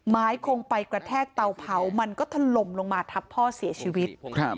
คงไปกระแทกเตาเผามันก็ถล่มลงมาทับพ่อเสียชีวิตครับ